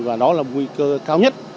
và đó là nguy cơ cao nhất